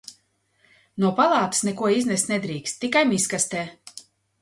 No palātas neko iznest nedrīkst, tikai miskastē.